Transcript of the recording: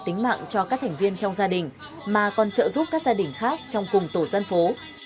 tính mạng cho các thành viên trong gia đình mà còn trợ giúp các gia đình khác trong cùng tổ dân phố